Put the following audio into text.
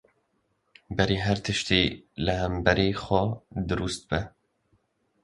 Berî her tiştî, li hemberî xwe dirust be.